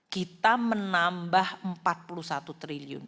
kita menambah empat puluh satu triliun